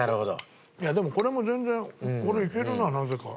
いやでもこれも全然俺いけるななぜか。